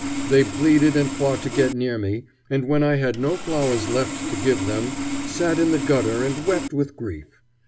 They pleaded and fought to get near me, and when I had no flowers left to give them sat in the gutter and wept with grief.